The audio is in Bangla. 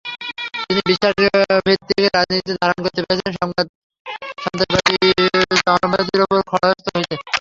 তিনি বিশ্বাসভিত্তিক রাজনীতিকে ধারণ করতে পেরেছেন, সন্ত্রাসবাদী চরমপন্থীদের ওপর খড়্গহস্ত হয়েছেন।